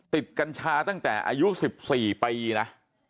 กัญชาตั้งแต่อายุ๑๔ปีนะ